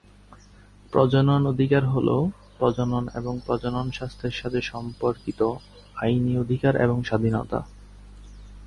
প্রজনন অধিকার হলো প্রজনন এবং প্রজনন স্বাস্থ্যের সাথে সম্পর্কিত আইনি অধিকার এবং স্বাধীনতা।